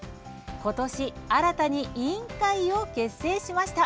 今年新たに委員会を結成しました。